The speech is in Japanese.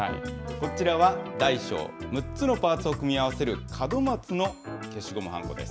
こちらは、大小６つのパーツを組み合わせる門松の消しゴムはんこです。